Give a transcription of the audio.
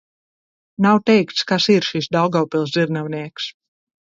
"Nav teikts, kas ir šis "Daugavpils dzirnavnieks"."